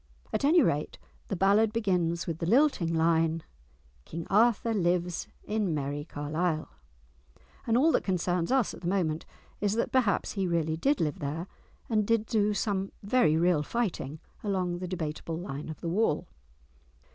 At any rate the ballad begins with the lilting line:— "King Arthur lives in merrie Carleile," and all that concerns us at the moment is that perhaps he really did live there, and did do some very real fighting along the debateable line of the wall.